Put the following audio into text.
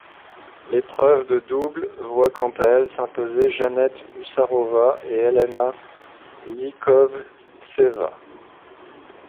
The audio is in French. L'épreuve de double voit quant à elle s'imposer Janette Husárová et Elena Likhovtseva.